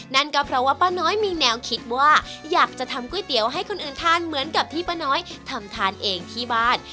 นั่นก็เพราะว่าป้าน้อยมีแนวคิดว่าอยากจะทำก๋วยเตี๋ยวให้คนอื่นทานเหมือนกับที่ป้าน้อยทำทานเองที่บ้าน